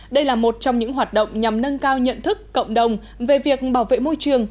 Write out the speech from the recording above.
đây là một trong những hoạt động nhằm nâng cao nhận thức cộng đồng về việc bảo vệ môi trường